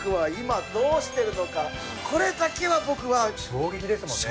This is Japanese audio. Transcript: これだけは僕は衝撃でしたもんね